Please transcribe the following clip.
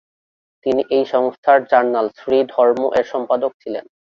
তিনি এই সংস্থার জার্নাল "শ্রী ধর্ম"-এর সম্পাদক ছিলেন।